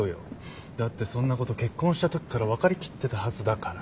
だってそんなこと結婚したときから分かりきってたはずだからね。